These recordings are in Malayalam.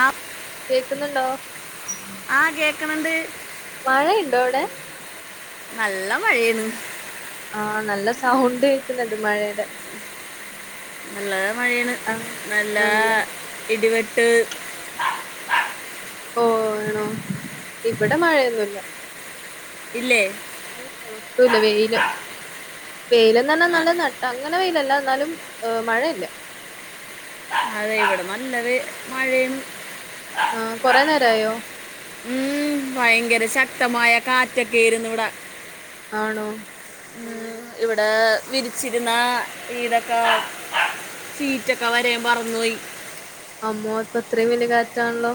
ആപ്പ് കേൾക്കുന്നുണ്ടോ ആ കേൾക്ക്ണണ്ട് മഴയുണ്ടോവിടെ നല്ല മഴയാണ് ആഹ് നല്ല സൗണ്ട് കേൾക്കുന്നുണ്ട് മഴേടെ നല്ലമഴേണ് ആഹ് നല്ലാ ആണല്ലേ ഇടിവെട്ട് ഓ ആണോ ഇവിടെ മഴയൊന്നുല്ല്യാ ഇല്ലേ ഏഹ് ഒട്ടുംല്ല്യാ വെയില് വെയില്ന്നറ്ഞാ ആ, നല്ല നട്ട അങ്ങനെ വെയിലല്ല എന്നാലുംമഴയില്ല്യ അതെ ഇവിടെ നല്ല വെ മഴയും ആഹ് കൊറേ നേരായോ ഉം ഭയങ്കര ശക്തമായ കാറ്റൊക്കെയിരുന്നു ഇവിടെ ആണോ ഓ ഉം ഇവിടെ വിരിച്ചിരുന്ന ഈതൊക്കെ സീറ്റൊക്കെ വരെ മറന്നോയ് അമ്മോ അപ്പൊ അത്രയും വല്യ കാറ്റാണല്ലോ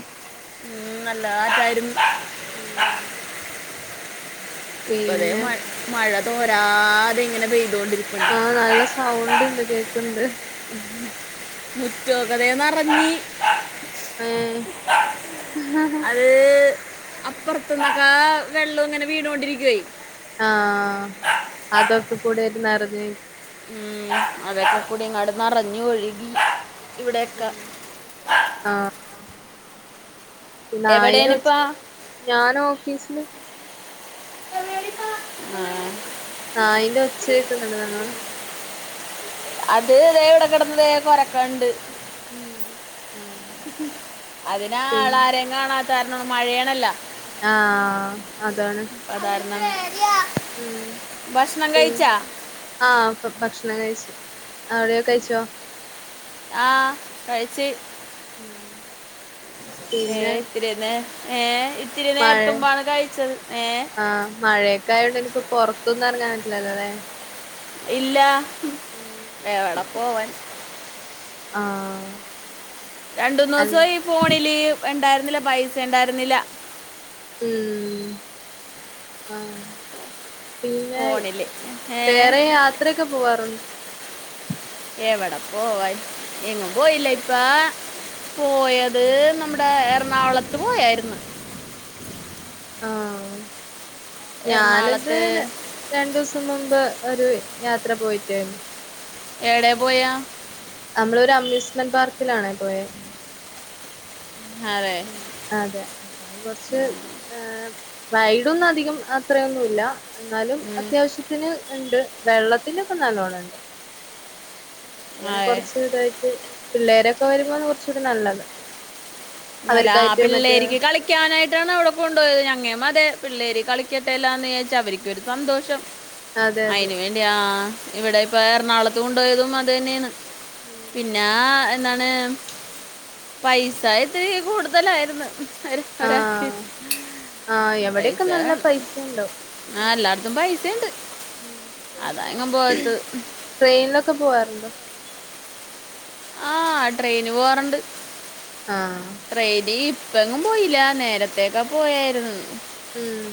ഉം നല്ല കാറ്റായിരുന്നു ഉം ഇപ്പതേ പിന്നെ മഴ മഴ ഉം തോരാതെങ്ങനെ പെയ്തൊണ്ടിരിക്കുന്നു. ആഹ് നല്ല സൗണ്ട് ഉണ്ട് കേക്കണ്ട്. [unintelligible] ദേ നിറഞ്ഞി ഏഹ് [unintelligible] അത് അപ്പുറത്തന്നൊക്കെ വെള്ളം ഇങ്ങനെ വീണോണ്ടിരിക്കുവേ. ആഹ് അതൊക്കെ കൂടെ നിറഞ്ഞ് ഉം അതൊക്കെ കൂടി ഇങ്ങാട് നിറഞ്ഞ് ഒഴുകി ഇവിടെയൊക്കെ ഉം ആഹ് എവിടേനിപ്പാ [unintelligible] ഞാന് ഓഫീസില് ആഹ് ആഹ് അതിന്റെ ഒച്ച കേക്കുന്നുണ്ട് നല്ലോണം. അത് ദേ ഇവിടെ കിടന്ന് കൊരക്കണുണ്ട്. ഉം ആഹ് അതിന് ആൾ പിന്നെ ആരെയും കാണാത്ത കാരണം മഴയാണല്ലോ? ആഹ് അതാണ്. അതാരണം ഉം ഭക്ഷണം കഴിച്ചാ? പിന്നെ ആഹ് ഭക്ഷണം കഴിച്ചു അവിടെയോ കഴിച്ചോ? ആഹ് കഴിച്ച് ഉം ഏഹ് ഇത്തിരിതന്നെ ഏഹ് ഇത്തിരി മഴ നേരത്തുമ്പാണ് കഴിച്ചത് ഏഷ് ആഹ് മഴ ക്കായകൊണ്ട് ഇനി ഇപ്പ പുറത്തന്നും ഇറങ്ങാൻ പറ്റില്ലല്ലോ അല്ലേ? ഇല്ല ഉം എവിടെ പോവാൻ ആഹ് രണ്ടൂ മൂന്ന് അൽ ദിവസം ഈ ഫോണില് ഉണ്ടായിരുന്നില്ല പൈസ ഉണ്ടായിരുന്നില്ല. ഉം ആഹ് പിന്നെ ഫോണിൽ ഏ വേറെ യാത്രയൊക്കെ പോവാറുണ്ടോ? എവിടെ പോവാൻ എങ്ങും പോയില്ല ഇപ്പാ പോയത് നമ്മുടെ എറണാകുളത്ത് പോയായിരുന്നു. ആഹ് ഞാനത് എറണാകുളത്ത് രണ്ടു ദിവസം മുമ്പ് ഒരു യാത്ര പോയിട്ടായിരുന്നു ഏടെ പോയ? നമ്മളൊരു അമ്യൂസ്മെന്റ് പാർക്കിലാണേ പോയേ. അതെ ഉം അതെ അത് കൊറച്ച് റൈഡൊന്നും അധികം അത്രയൊന്നുമില്ല എന്നാലും ഉം, അത്യാവശ്യ ത്തിന് ഉണ്ട് വെള്ളത്തിനൊക്കെ നല്ലോണ്ണം ഉണ്ട്. അങ്ങനെ അതെ കൊറച്ച് ഇതായിട്ട് പിള്ളേരൊക്കെ വരുമ്പോ കുറച്ച് കൂടി നല്ലത്. അല്ല ആഹ് അവർക്കായിട്ട് മറ്റേ പിള്ളേരിക്ക് കളി ക്കാനായിട്ടാണ് അവിടെ കൊണ്ടു പോയത് ഞങ്ങേ അതേ പിള്ളേര് കളിക്കട്ടെല്ലാന്ന് വിചാരിച്ചാ അവർക്ക് ഒരു സന്തോഷം. അതെ അതെ അയിന് വേണ്ടിയ ആഹ് ഇവിടെ ഇപ്പ എറണാകുളത്ത് കൊണ്ട് പോയതും അത് തന്നെയാണ്. ഉം പിന്നെ എന്താണ് പൈസ ഇത്തിരി കൂടുതലായിരുന്നു ഒരാക്ക് ആഹ് ആഹ് എവിടെയൊക്കെ പൈസ നല്ല വേണം പൈസ ഇണ്ടാവും ആഹ് ഉം എല്ലായിടത്തും പൈസ ഉണ്ട് ഉം അതാ പിന്നെ എങ്ങും പോകാത്തത് ട്രെയിനിലൊക്കെ പോവാറുണ്ടോ ആഹ് ട്രെയിന് പോവാറുണ്ട് ആഹ് ട്രയി ഡി ഇപ്പഴെങ്ങും പോയില്ല നേരത്തേ ഒക്കെ പോയായിരുന്നു ഉം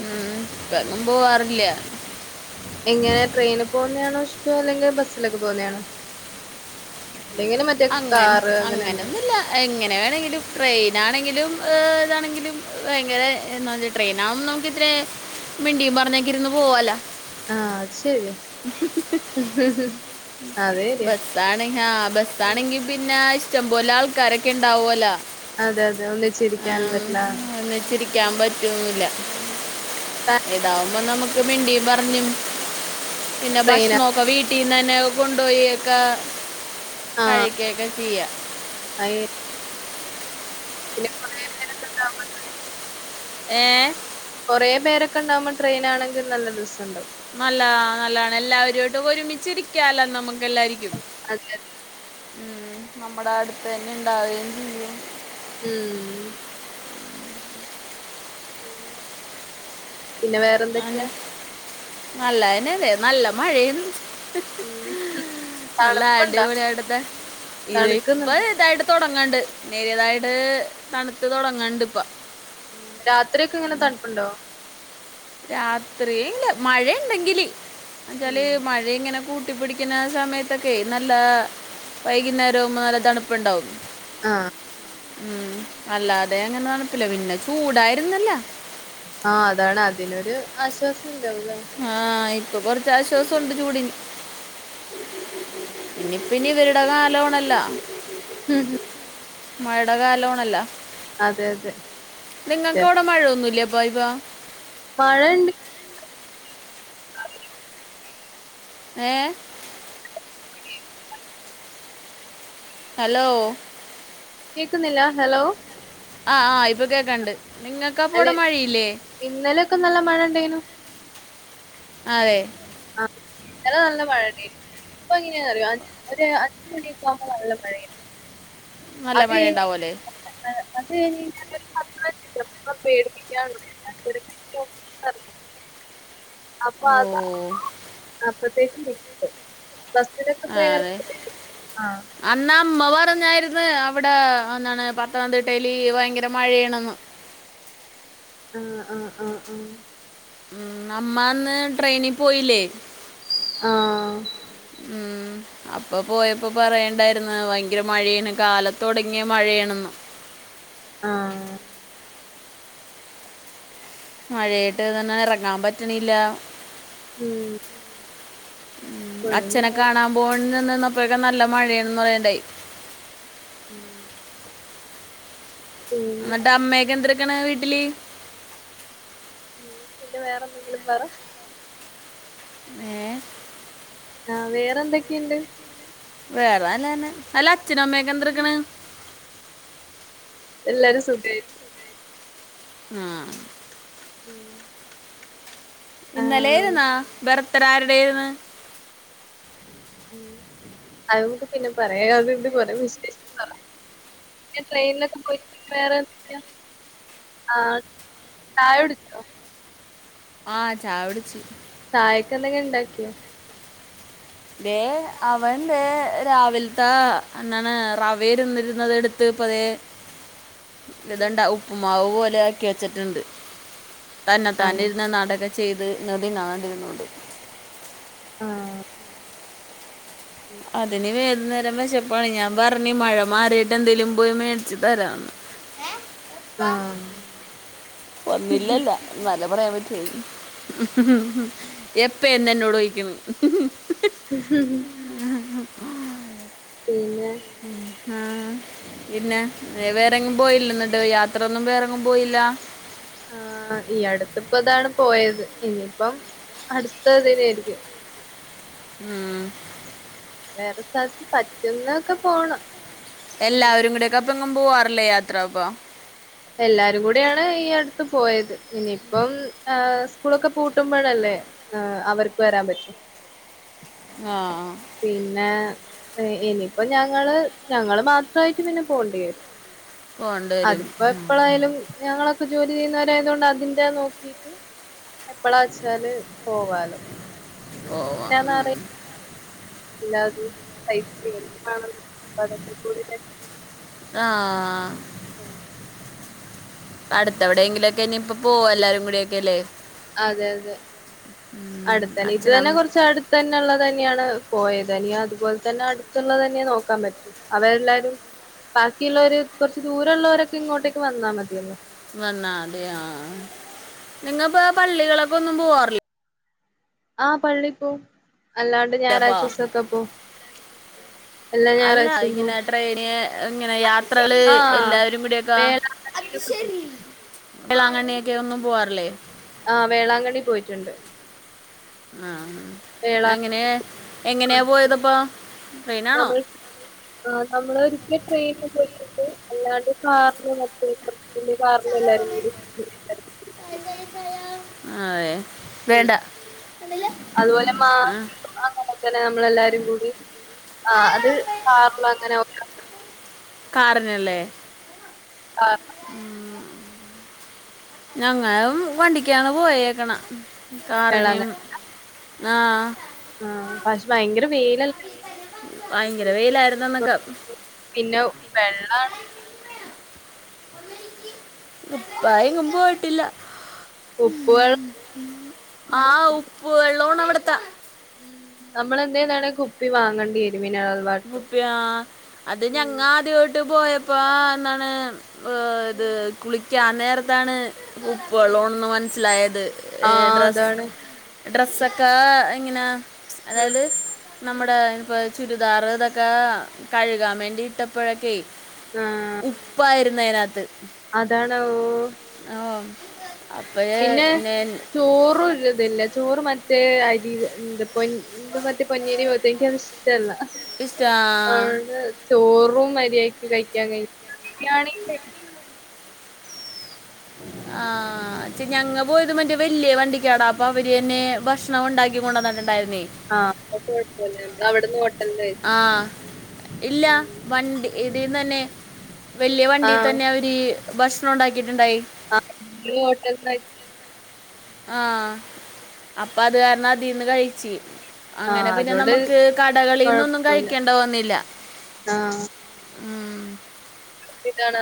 ഉം ഇപ്പം എങ്ങു പോവാറില്ല എങ്ങനെ ട്രെയിനിൽ പോകുന്നതാണോ ഇഷ്ടോ അല്ലെങ്കിൽ ബസ്സിലൊക്കെ പോവുന്നാണോ അല്ലെങ്കിലും മറ്റേ അങ്ങനെ കാറ് അങ്ങനെ എന്തെങ്കിലും അങ്ങനൊന്നുമില്ല എങ്ങനെ വേണെങ്കിലും ട്രെയിന ആണെങ്കിലും ഇതാണെങ്കിലും ഭയങ്കര എന്നാ ന്ന് ട്രെയിനാവുംമ്പൊ നമുക്ക് ഇത്രേ മിണ്ടിയും പറഞ്ഞെക്കി ഇരുന്ന് പോവാല്ലോ ആഹ് ശരി അത് ശരിയാ ഇതാണെ ഹാ ബസാണെങ്കി പിന്നെ ഇഷ്ടംപോലെ ആൾക്കാരൊക്കെ ഉണ്ടാവുമല്ലോ അതെ അതെ ഒന്ന് ചിരിക്കാനും പറ്റില്ല ഒന്ന് ചിരിക്കാൻ പറ്റൊന്നുല്ല ഇതാവുമ്പോ നമുക്ക് മിണ്ടിയും പറഞ്ഞും പിന്നെ ട്രെയിന ഭക്ഷണൊക്കെ വീ ട്ടീന്ന് തന്നെ കൊണ്ട്പോയി ഒക്കെ ആഹ് കഴിക്കുകൊക്കെ ചെയ്യാം അയ് പിന്നെ കൊറേ പേരുണ്ടല്ലോ [unintelligible] ഏ കുറെ പേരൊക്കെ ഉണ്ടാവുമ്പോൾ ട്രയിന ആണെങ്കിൽ നല്ല ദിവസം ഉണ്ടാവും നല്ല നല്ലാണ് എല്ലാവരോട്ടും ഒരുമിച്ചി ഇരിക്കാല നമുക്ക് എല്ലാരിക്കും അതെ ഉം നമ്മുടെ അടുത്ത് തന്നെ ഉണ്ടാവുകയും ചെയ്യും ഉം പിന്ന പിന്നെ വേറെന്തൊക്കെയാ നല്ലായിനല്ലെ നല്ല മഴയും ഉണ്ട് ഉം നല്ല തണുപ്പുണ്ടോ അടിപൊളിയായിടുത്തെ ഇത് ഇപ്പൊ തണുക്കുന്നുണ്ടോ ഇതായിടു തുടങ്ങണ്ട് നേരിയതായിട്ട് തണുത്ത് തുടങ്ങണ്ട് ഇപ്പം രാത്രി ഒക്കെ ഇങ്ങനെ തണുപ്പുണ്ടോ രാത്രിയില് മഴ ഉണ്ടെങ്കില് എന്നച്ചാല് ഉം മഴ മഴ ഇങ്ങനെ കൂട്ടി പിടിക്കുന്ന സമയത്തൊക്കെ നല്ല വൈകുന്നേരം ആവുസം നല്ല തണുപ്പുണ്ടാവും ആഹ് ഉം അല്ലാതെ അങ്ങനെ തണപ്പില്ല പിന്നെ ചൂടായിരുന്നല്ലൊ ആഹ് അതാണ് അതിനൊരു ആശ്വാസം ഉണ്ടാവല്ലേ ആഹ് ഇപ്പൊ കൊറച്ചാശ്വാസം ഉണ്ട് ചൂടിന് [inaudible] ഇനി പ്പോഇവരുടെ കാലമാണല്ലോ മം ഹും മഴടെ കാലമാണല്ലൊ അതെ അതെ ശെ നിങ്ങൾക്ക് അവിടെ മഴയൊന്നുമില്ലേ ബ ഇപ്പം മഴ ഉണ്ട് ഏ [inaudible] ഹലോ കേക്ക്ന്നില്ല ഹെലോ ആഹ് ആഹ് ഇപ്പൊ കേക്കാണ്ട് നിങ്ങക്കപ്പാെ അവടെ മഴയില്ലേ ഇന്നലെ ഒക്കെ നല്ല മഴ ഇണ്ടേനു അതെ ആഹ് ഇന്നലെ നല്ല മഴണ്ടേന് ഇപ്പൊ എങ്ങനെ അറിയോ അഞ് ഒര് അഞ്ച് മണിയെക്കെ ആവുമ്പോ നല്ല മഴേണ് നല്ല അത് മഴ [unintelligible] ഉണ്ടാവുമല്ലേ അതെ അത് കഴിഞ്ഞെെഞ്ഞാ ഒര്പത്ത് പൈൻഞ്ച് ചെൽപ്പം പേടിപ്പിക്യാ തോന്നും മറ്റൊര് [unintelligible] അപ്പ ഓ അതാണ് അപ്പത്തേക്കും തെറ്റിപ്പോവും ആഹ് അതെ ആഹ് അന്ന്അമ്മ പറഞ്ഞാര്ന്ന് അവടെ എന്നാണ് പത്തനംതിട്ടയില് ഭയങ്കര മഴേണ്ന്ന് ആഹ് ആഹ് ആഹ് ആഹ് ഉം അമ്മ അന്ന് ട്രെെനിപോയില്ലേ ആഹ് ഉം അപ്പൊ പോയപ്പാെ പറയെണ്ടേര്ന്ന് ഭയങ്കര മഴേണ് കാലത്താെടങ്ങിയ മഴേണ് ഇന്ന് ആഹ് മഴയേട്ട് നിന്ന് എറങ്ങാം പറ്റ്ണില്ല ഉം ഉം ഇപ്പോഴും അച്ഛനെ മഴ കാണാൻ പോവാൻ വേണ്ടി നിന്ന് നിന്നപ്പഴേക്കുംനല്ല മഴേണ്ന്ന് പറയ്ണ്ടായി ഉം ഇന്ന്ട്ട് അമ്മയെക്കെ എന്ത്ട്ക്ക്ണ് വീട്ടില് ഉം പിന്നെ വേറെ എന്തെങ്കിലും പറ ഏഹ് ആഹ് വേറെ എന്തെക്കെ ഇണ്ട് വേറെ നല്ലതെന്നെ അല്ല അച്ഛനും അമ്മയെക്കെ എന്ത്ട്ക്ക്ണ് എല്ലാരും സുഖായിരി ആഹ് ഉം ഇന്നലേര്ന്നാ ബെർത്ത്ടെ ആര്ടേര്ന്ന് ഏഹ് അത് നമുക്ക് പിന്നെ പറയാ ഏഹ് അത് ഇത് പറി വിശേഷം പറ പിന്നെ ട്രെെൻലൊക്കെ പോയി വേറെന്താക്കെയാ ആഹ് ചായ കുടിച്ചോ ആഹ് ചായകുടിച്ച് ചായക്ക് എന്തെങ്കിലും ഇണ്ടാക്കിയോ ദേ അവൻ ദേ രാവിൽത്താ അണ്ണണ് റവ ഇരുന്നിര്ന്നത് ഇട്ത്ത് ഇപ്പതേ ലെതണ്ട ഉപ്പുമാവ് പോലെയാക്കി വെച്ച്ട്ട്ണ്ട് തന്നെത്താനെ ആണോ ഇര്ന്ന് നാടകം ചെയ്ത് ഇന്നത് നാട് ഇരുന്നൂട് ആഹ് ഉം അതിന് വേതുനേരം വെശപ്പാണ് ഞാൻ പർണ് മഴ മാറീട്ട് എന്തേലും പോയി മേടിച്ച്തരാന്ന് ആഹ് ഒന്നില്ലല്ല നല്ല പറയാൻ പറ്റെ എപ്പന്ന്ന്നോട്യ്ക്കും ഹം ഹ പിന്നെ ആഹ് പിന്നെ വേറെങ്ങും പോയില്ല ന്ന്ട്ട് യാത്രൊന്നും വേറെങ്ങും പോയില്ല ആഹ് ഈ അടുത്തിപ്പതാണ് പോയത് ഇനിയിപ്പം അടുത്തത് ഇതന്നേരിക്കും ഉം വേറെന്താ പറ്റ്ന്നൊക്കെ പോണം ഉം എല്ലാവരും കൂടെയക്കപ്പെങ്ങും പോവാറില്ലേ യാത്രപ്പം എല്ലാരും കൂടിയാണ് ഈ അടുത്ത് പോയത് ഇനിയിപ്പം സ്കൂളൊക്കെ പൂട്ടുമ്പഴല്ലേ ആഹ് അവർക്ക് വെരാൻ പറ്റു ആഹ് പിന്നെ ഇനിയിപ്പോ ഞങ്ങള് ഞങ്ങള് മാത്രായിട്ട് പിന്നെ പോണ്ടി വെരും പോകേണ്ടി വരും അത്പ്പൊ ഉം. എപ്പളായാലും ഞങ്ങളൊക്കെ ജോലി ചെയ്യുന്നവരായതോണ്ട് അതിന്റെ നോക്കീട്ട് എപ്പളാച്ചാല് പോവാലോ പോവാം ഉം. എങ്ങനാന്നറി എല്ലാതും പൈസയും [unintelligible] ആഹ് ഓ അടുത്തെവിയെങ്കിലൊക്കെ എനിപ്പോ പോ എല്ലാരും കൂടി ഒക്കെ ല്ലേ അതെ അതെ ഉം. അട്ത്തെന്നെ ഇത് തന്നെ അച്ഛനമ്മ കൊർച്ചട് ത്തെന്നെള്ളതെന്നെണ് പോയത് ഞ്ഞി അത് പോലെത്തെന്നെ അട്ത്ത്ള്ളതെന്ന്യാ നോക്കാൻ പറ്റു അവരെല്ലാരും ബാക്കിള്ളോര് കൊർച്ച് ദൂരള്ളോരൊക്കെ ഇങ്ങോട്ടേക്ക് വന്നാ മതിയല്ലോ വന്നോ അതെയോ ആ നിങ്ങപ്പോ പള്ളികളേക്കൊന്നും പോവാറില്ലേ ആ പള്ളിപോം അല്ലാണ്ട് ഞായറാഴ്ച അപ്പോൾ ദിവസൊക്കെ പോം എല്ലാം ഞായറാഴ്ച്ചയും പോം ട്രയിന് ഇങ്ങനെ യാത്രകള് ആഹ് എല്ലാരും കൂടിയൊക്കാ വേളാങ്കണ്ണിയിലൊക്കെ പോവും വേളാങ്കണ്ണി ഒക്കെ ഒന്നും പോവാറില്ലേ ആ വേളാങ്കണ്ണി പോയിട്ട്ണ്ട് ആ വേളാ എങ്ങനെ എങ്ങനെ പോയതപ്പോ ട്രെയിനാണോ നമ്മള് ആ നമ്മളൊരിക്ക ട്രെയിന് പോയിട്ടി ണ്ട് അല്ലാണ്ട് കാറില് [unintelligible] കാറില് എല്ലാരും കൂടി അതെ വേണ്ട ഉം അതുപോലെ മാ ആ [unintelligible] തന്നെ നമ്മളെല്ലാരും കൂടി ആ അത് കാർലങ്ങനെ [unintelligible] കാർലല്ലേ ആ കാ ഉം ഞങ്ങളും വണ്ടിക്കാണ് പോയേക്കണെ കാറിലാണ് കാർനും അങ്ങനെ ആ ആ പക്ഷെ ഭയങ്കര വെയിലല്ലേ ഭയങ്കര വെയിലായിരുന്നു ഇപ്പൊ. അന്നൊക്കെ പിന്നെ വെള്ള ഉപ്പായി കുമ്പ് ഉപ്പ് [unintelligible] വെള്ളാണ് ആ ഉ ഉപ്പ് വെള്ളോണവ്ട്ത്തെ ഉം നമ്മൾ എന്തേ നടാൻ കുപ്പി വാങ്ങണ്ടി വെരും പിന്നത് കുപ്പ്യ അത് ഞങ്ങ ആദ്യമായിട്ട് പോയപ്പോ എന്താണ് ഏഹ് ഇത് ഉം കുളിക്കാ നേരത്താണ് ഉപ്പ് ഉം വെളോണന്ന് മനസ്സിലായത് ആ ഏഹ് ഡ്രസ് അതാണ് ഉം ഡ്രസ്സൊക്കെ ഇങ്ങനെ ഉം അതായത് ഉം നമ്മുടെ ഇപ്പോ ചുരു രിതാറ് ഇതൊക്കെ കഴുകാൻ വേണ്ടിയിട്ടപ്പോഴൊക്കെ ആ ഉപ്പായിരുന് അതിനകത്ത് അതാണ് ഓ ഓ അപ്പഴേ ഞാൻ ചോറ ഇതല്ല ചോറ് മറ്റേ അരിവ ഇതിപ്പൊ എന്ത് മറ്റേ പൊന്നിയരി പോലെത്തെ അത് എനിക്കിഷ്ടല്ല ഇഷ്ട അതോണ്ട് ചോറും മരിയതീക്ക് കഴിക്കാൻ കഴിഞ്ഞില്ല [unintelligible] ആഹ് ഞങ്ങ പോയത് മറ്റേ വല്യ വണ്ടിക്കാടാ അപ്പൊ അവര് തന്നെ ഭക്ഷ ണം ഉണ്ടാക്കി കൊണ്ട് വന്നിട്ടുണ്ടായിരുന്നേ ആഹ് അപ്പ കൊഴപ്പില്ല അവിടന്ന് ഹോട്ടലിന്റെ ആഹ് ഇല്ല വണ്ടി ഇതീന്ന് തന്നെ വലിയ ആ വണ്ടി തന്നെ അവ ഇ ഭക്ഷണം ഉണ്ടാക്കിയിട്ടുണ്ടായി ആഹ് ഇ ഹോട്ടെൽന്ന് ആഹ് അപ്പ അത് കാരണം അതിൽന്ന് കഴിച്ചു ആ അങ്ങനെ പിന്നെ അതോണ്ട് നമുക്ക് കടകളിൽന്നൊന്നും കഴിക്കേണ്ട വന്നില്ല ആഹ് ഉം. പ്പിതാണ്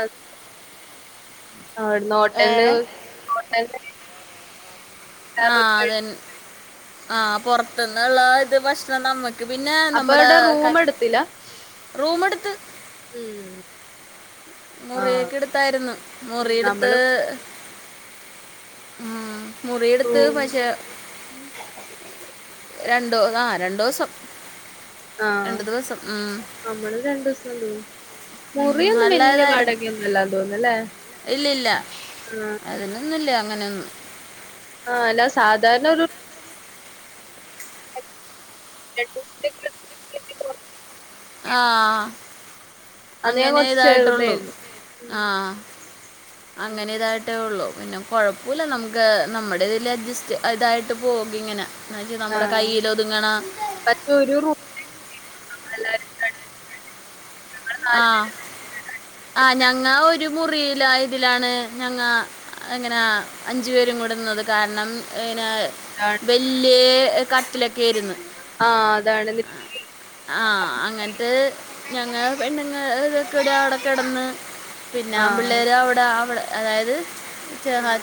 അവിടുന്ന് ഏ ഹോട്ടലി ഹോട്ടല ആഹ് അതെ ആഹ് പുറത്തന്നുള്ള ഇത് ഭക്ഷണം നമ്മു ക്ക് പിന്നെ അപ്പൊ നമ്മുടെ അവിടെ റൂം എടുത്തില്ല റൂമ് എടുത്ത് ഉം ആ മുറിയൊക്കെ എടുത്തായിരുന്നു ഉം മുറി എടുത്ത് നമ്മള് ഉം മുറി എടുത്ത് റൂം പക്ഷെ രണ്ട് ആഹ് രണ്ടു ദിവസം ആഹ് രണ്ട് ദിവസം ഉം. നമ്മള് രണ്ട് ദിവസം നിന്നു ഉം, മുറിയൊന്നും വലിയ നല്ലതായിരുന്നു വാടകയൊന്നുംല്ലാ തോന്നല്ലേ ആഹ് അതിനൊന്നില്ല അങ്ങനെയൊന്നും ആഹ് അല്ല സാധാരണ ഒരു [inaudible] ആഹ് അന്ന് ഞാൻ അങ്ങനെ കൊറച്ച് ഇതായിട്ടുള്ളൂ ചെറുതായിരുന്നു ആഹ് [inaudible] അങ്ങനെ ഇതായിട്ടേ ഉള്ളു പിന്നെ കുഴപ്പമില്ല നമുക്ക് നമ്മുടെ ഇതിൽ അഡ്ജസ്റ്റ് ഇതായിട്ട് പോക ഇങ്ങനെ [unintelligible] നമ്മുടെ കയ്യിൽ ഒതുങ്ങണ പക്ഷേ ഒരു റൂപ്പി എല്ലാരുകൂടി ആഹ് ആഹ് ഞങ്ങ ഒരു മുറിയില ഇതിലാണ് ഞങ്ങാ അങ്ങനെ അഞ്ചു പേരും കൂടെ നിന്നത് കാരണം ന്ന പേരാണ് വല്യ കട്ടിലൊക്കൊയിരുന്നു ആഹ് അതാണ് ആഹ് അങ്ങനത്തത്ഞങ്ങൾ പെണ്ണുങ്ങൾതാ അവട കെടന്ന് പിന്നെ ആൺ ആഹ് പിള്ളേര് അവിടെ അവിട അതായത് ചങ്ങ